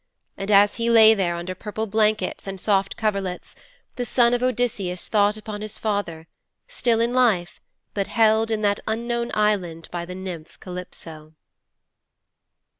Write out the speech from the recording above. And as he lay there under purple blankets and soft coverlets, the son of Odysseus thought upon his father, still in life, but held in that unknown island by the nymph Calypso.